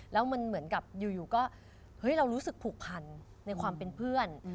แล้วมันเหมือนกับอยู่ก็เฮ้ยเรารู้สึกผูกพันในความเป็นเพื่อน